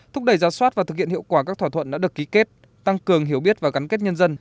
thúc đẩy giáo soát và thực hiện hiệu quả các thỏa thuận đã được ký kết tăng cường hiểu biết và cắn kết nhân dân